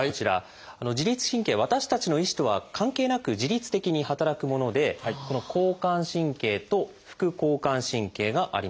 自律神経私たちの意思とは関係なく自律的に働くものでこの交感神経と副交感神経があります。